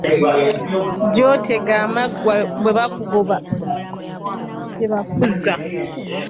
Gy'otega amaggwa bwe baba bakugoba gye bakuzza.